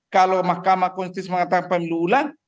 kalau mahkamah konstitusi mengatakan pemilu ulang